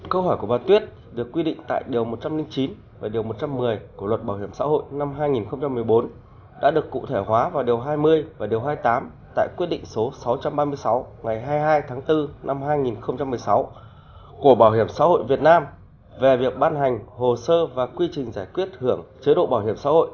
câu hỏi của bà tuyết được quy định tại điều một trăm linh chín và điều một trăm một mươi của luật bảo hiểm xã hội năm hai nghìn một mươi bốn đã được cụ thể hóa vào điều hai mươi và điều hai mươi tám tại quyết định số sáu trăm ba mươi sáu ngày hai mươi hai tháng bốn năm hai nghìn một mươi sáu của bảo hiểm xã hội việt nam về việc ban hành hồ sơ và quy trình giải quyết hưởng chế độ bảo hiểm xã hội